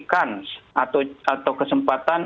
kans atau kesempatan